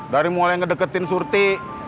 dari mulai ngedeketin surti